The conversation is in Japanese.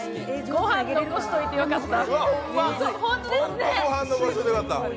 ご飯残しておいてよかった！